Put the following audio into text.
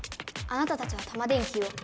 あなたたちはタマ電Ｑを。